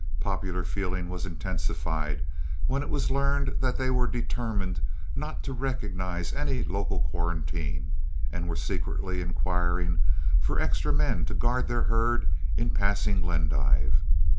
Popular feeling was intensified when it was learned that they were determined not to recognize any local quarantine, and were secretly inquiring for extra men to guard their herds in passing Glendive.